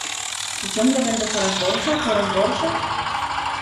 "Czy ciągle będę coraz gorsza, coraz gorsza?"